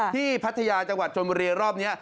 ที่พัทยาจังหวัดจนบริเวณรอบนี้